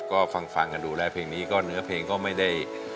ก็ฟังกันดูแล้วเพลงนี้ก็เนื้อเพลงก็ไม่ได้